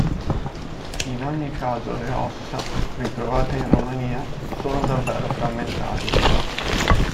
In ogni caso le ossa, ritrovate in Romania, sono davvero frammentarie.